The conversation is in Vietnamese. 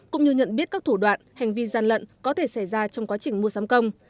cũng như nhận biết các thủ đoạn hành vi gian lận có thể xảy ra trong quá trình mua sắm công